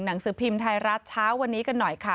หนังสือพิมพ์ไทยรัฐเช้าวันนี้กันหน่อยค่ะ